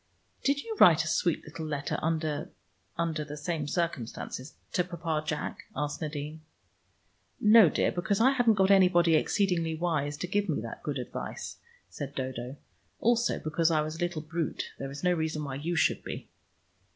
"Did you write a sweet little letter under under the same circumstances to Papa Jack?" asked Nadine. "No, dear, because I hadn't got anybody exceedingly wise to give me that good advice," said Dodo. "Also, because I was a little brute there is no reason why you should be."